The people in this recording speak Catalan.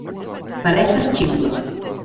Pareixes ximple!